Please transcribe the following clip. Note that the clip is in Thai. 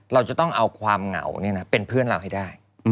เราจะต้องเอาความเหงาเป็นเพื่อนเราให้ได้